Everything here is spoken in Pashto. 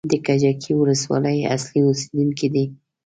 د کجکي ولسوالۍ اصلي اوسېدونکی دی.